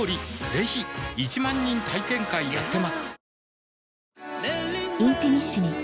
ぜひ１万人体験会やってますはぁ。